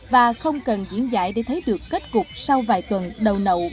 và không cần diễn giải để thấy được kết cục sau vài tuần đầu nậu